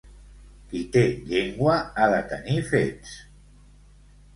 Qui té llengua ha de tenir fets.